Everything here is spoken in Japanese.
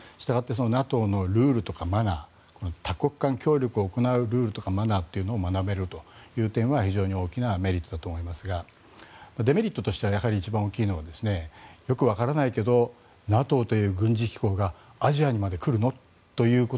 ＮＡＴＯの多国間協力を行うルールとかマナーを学べるという点は非常に大きなメリットだと思いますがデメリットとして一番大きいのはよくわからないけどＮＡＴＯという軍事機構がアジアまで来るの？と。